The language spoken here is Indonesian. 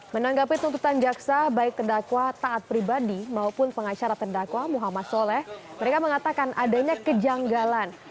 menanggapi tuntutan jaksa baik terdakwa taat pribadi maupun pengacara terdakwa muhammad soleh mereka mengatakan adanya kejanggalan